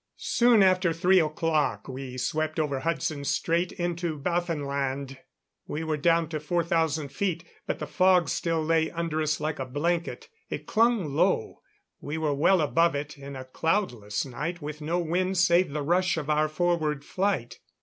Soon after three o'clock we swept over Hudson Strait into Baffinland. We were down to 4,000 feet, but the fog still lay under us like a blanket. It clung low; we were well above it, in a cloudless night, with no wind save the rush of our forward flight.